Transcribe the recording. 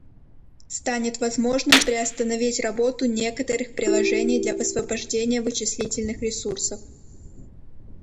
Станет возможным приостановить работу некоторых приложений для высвобождения вычислительных ресурсов